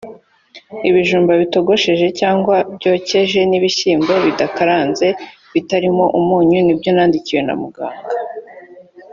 ibijumba bitogosheje cyangwa byokeje n’ibishyimbo bidakaranze bitarimo umunyu nibyo nandikiwe na muganga